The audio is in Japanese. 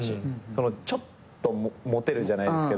ちょっとモテるじゃないですけど。